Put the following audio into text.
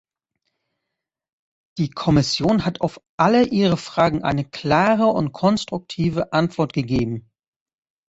Die Kommission hat auf alle Ihre Fragen eine klare und konstruktive Antwort gegeben.